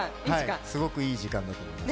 すごくいい時間だと思います。